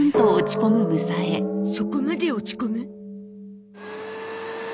そこまで落ち込む？